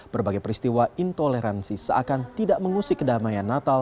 berbagai peristiwa intoleransi seakan tidak mengusik kedamaian natal